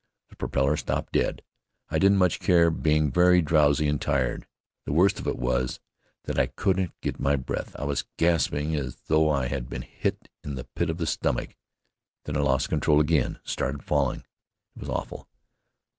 The propeller stopped dead. I didn't much care, being very drowsy and tired. The worst of it was that I couldn't get my breath. I was gasping as though I had been hit in the pit of the stomach. Then I lost control again and started falling. It was awful!